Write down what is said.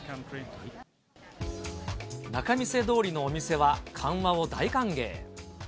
仲見世通りのお店は緩和を大歓迎。